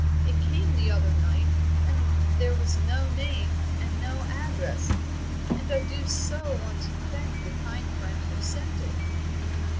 It came the other night, and there was no name and no address. And I do so want to thank the kind friend who sent it."